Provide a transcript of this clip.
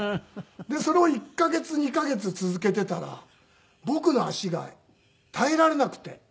でそれを１カ月２カ月続けていたら僕の足が耐えられなくて。